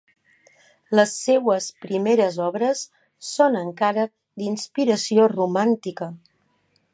Les seues primeres obres són encara d'inspiració romàntica.